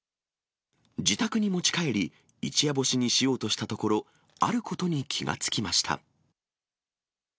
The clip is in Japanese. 自宅に持ち帰り、一夜干しにしようとしたところ、あることに気が付きました。